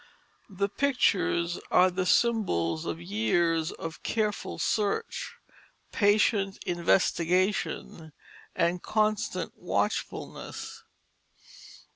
The pictures are the symbols of years of careful search, patient investigation, and constant watchfulness.